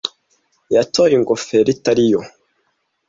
Yatoye ingofero itari yo.